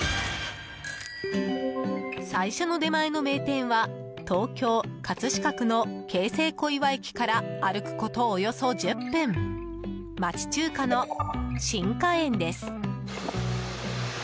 最初の出前の名店は東京・葛飾区の京成小岩駅から歩くことおよそ１０分町中華の信華園です。